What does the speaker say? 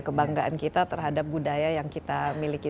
kebanggaan kita terhadap budaya yang kita miliki